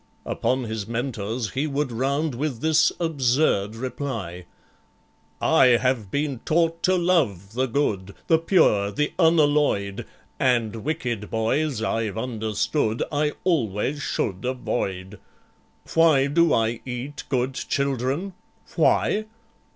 Upon his Mentors he would round With this absurd reply: "I have been taught to love the good— The pure—the unalloyed— And wicked boys, I've understood, I always should avoid. "Why do I eat good children—why?